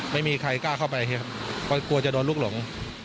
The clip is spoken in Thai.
ไม่มีใครกล้าเข้าไปครับเพราะกลัวจะโดนลูกหลง